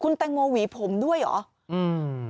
คุณแตงโมหวีผมด้วยหรือ